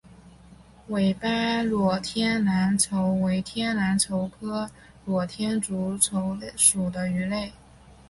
尾斑裸天竺鲷为天竺鲷科裸天竺鲷属的鱼类。